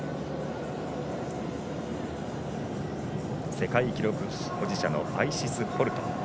世界記録保持者のアイシス・ホルト。